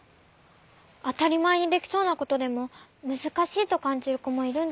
あたりまえにできそうなことでもむずかしいとかんじるこもいるんだね。